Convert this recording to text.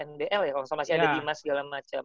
nbl ya kalau nggak salah masih ada dimas segala macam